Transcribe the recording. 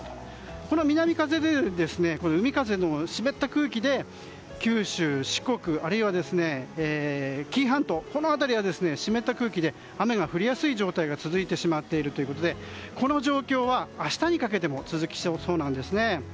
この南風で、海風の湿った空気で九州、四国あるいは紀伊半島とこの辺りは湿った空気で雨が降りやすい状態が続いてしまっているということでこの状況は明日にかけても続きそうなんですね。